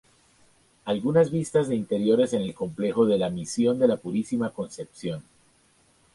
Algunas vistas de interiores en el complejo de la "Misión de La Purísima Concepción".